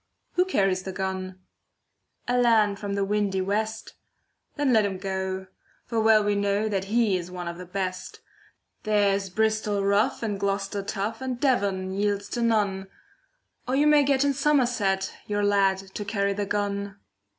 Who carries the gun? A lad from the windy west. Then let him go, for well we know That he is one of the best. There's Bristol rough, and Gloucester tough, And Devon yields to none. Or you may get in Somerset Your lad to carry the gun.